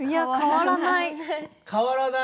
変わらない。